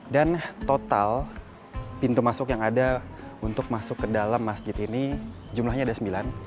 dan total pintu masuk yang ada untuk masuk ke dalam masjid ini jumlahnya ada sembilan